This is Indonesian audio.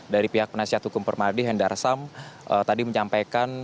dari pihak penasihat hukum permadi hendarsam tadi menyampaikan